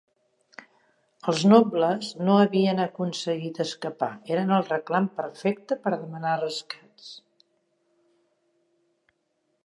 Els nobles que no havien aconseguit escapar eren el reclam perfecte per demanar rescats.